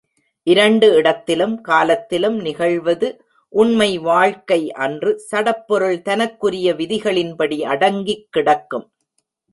இரண்டு இடத்திலும் காலத்திலும் நிகழ்வது உண்மை வாழ்க்கை அன்று சடப் பொருள் தனக்குரிய விதிகளின்படி அடங்கிக் கிடக்கும்.